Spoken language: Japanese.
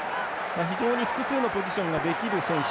非常に複数のポジションができる選手